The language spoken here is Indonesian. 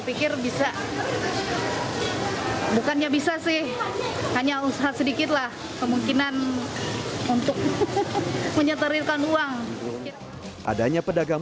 pikir bisa bukannya bisa sih hanya usaha sedikitlah kemungkinan untuk menyetarirkan uang adanya pedagang